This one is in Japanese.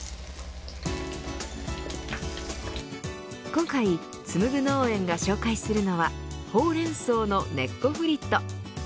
今回つむぐ農園が紹介するのはほうれん草の根っこフリット。